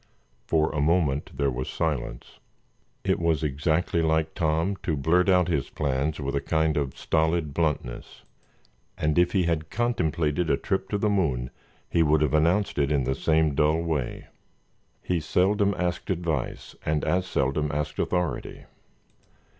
For a moment there was silence. It was exactly like Tom to blurt out his plans with a kind of stolid bluntness, and if he had contemplated a trip to the moon he would have announced it in the same dull way. He seldom asked advice and as seldom asked authority.